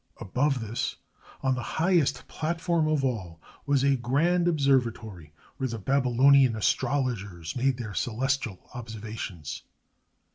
Above this, on the highest platform of all, was a grand observatory, where the Babylonian astrologers made their celestial observations.